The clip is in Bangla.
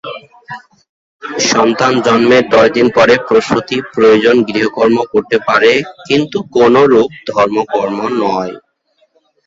সন্তান জন্মের দশদিন পরে প্রসূতি প্রয়োজনে গৃহকর্ম করতে পারে, কিন্তু কোনোরূপ ধর্মকর্ম নয়।